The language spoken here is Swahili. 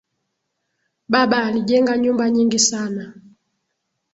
Baba alijenga nyumba nyingi sana